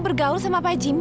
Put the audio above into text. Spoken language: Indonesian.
bergaul sama pak jimmy